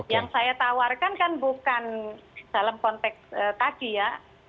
yang saya tawarkan kan bukan dalam konteks kaki ya